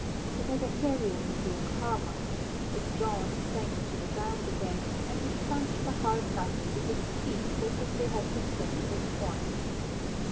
The megatherium grew calmer; its jaws sank to the ground again, and it crunched the hard nuts with its teeth as if they had been grains of corn.